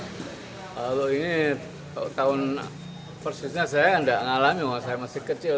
kalau ini tahun persisnya saya tidak ngalami bahwa saya masih kecil